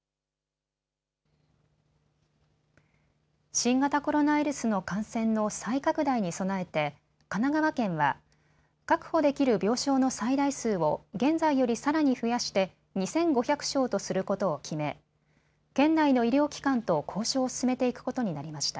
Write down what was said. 新型コロナウイルスの感染の再拡大に備えて神奈川県は確保できる病床の最大数を現在よりさらに増やして２５００床とすることを決め県内の医療機関と交渉を進めていくことになりました。